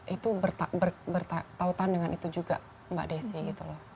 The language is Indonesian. itu bertautan dengan itu juga mbak desi gitu loh